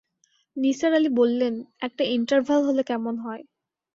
নিসার আলি বললেন, একটা ইন্টারভ্যাল হলে কেমন হয়।